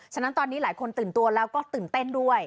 ฉะนั้นตอนนี้หลายคนตื่นตัวแล้วก็ตื่นเต้นด้วย